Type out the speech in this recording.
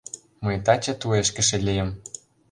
Мый таче туешкыше лийым.